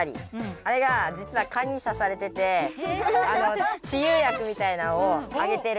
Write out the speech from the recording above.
あれがじつは蚊にさされててちゆ薬みたいなのをあげてる。